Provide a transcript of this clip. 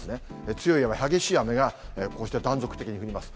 強い雨、激しい雨が、こうして断続的に降ります。